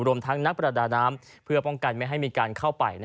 รวมทั้งนักประดาน้ำเพื่อป้องกันไม่ให้มีการเข้าไป